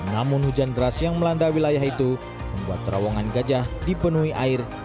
namun hujan deras yang melanda wilayah itu membuat terowongan gajah dipenuhi air